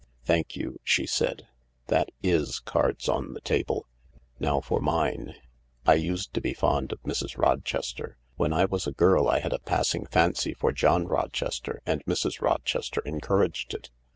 "Thank you," she said. "That is cards on the table. Now for mine. I used to be fond of Mrs. Rochester. When I was a girl I had a passing fancy for John Rochester, and Mrs. Rochester encouraged it.